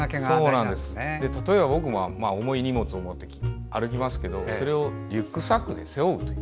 僕も重い荷物を持って歩きますがそれをリュックサックで背負うと。